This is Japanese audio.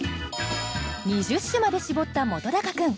２０首まで絞った本君